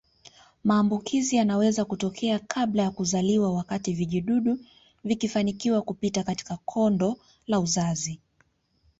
Maambukizi yanaweza kutokea kabla ya kuzaliwa wakati vijidudu vikifanikiwa kupita katika kondo la uzazi